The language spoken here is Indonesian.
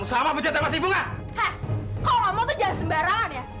sampai jumpa di video selanjutnya